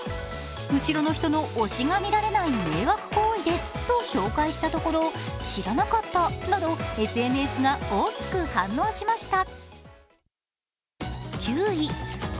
後ろの人の推しが見られない迷惑行為ですと紹介したところ知らなかったなど、ＳＮＳが大きく反応しました。